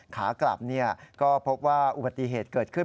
ขากลับก็พบว่าอุบัติเหตุเกิดขึ้น